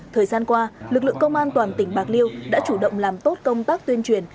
thời gian qua lực lượng công an toàn tỉnh bạc liêu đã chủ động làm tốt công tác tuyên truyền